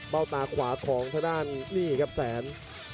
ตาขวาของทางด้านนี่ครับแสน